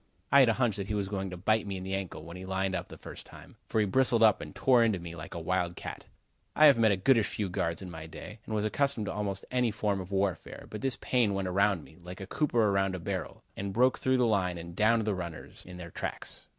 I had a hunch that he was going to bite me in the ankle, when he lined up the first time, for he bristled up and tore into me like a wild cat. I have met a goodish few guards in my day, and was accustomed to almost any form of warfare, but this Payne went around me, like a cooper around a barrel, and broke through the line and downed the runners in their tracks.